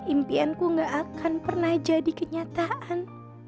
impianku gak akan pernah jadi kenyataan